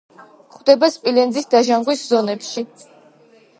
გვხვდება სპილენძის დაჟანგვის ზონებში.